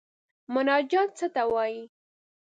مناجات څه ته وايي.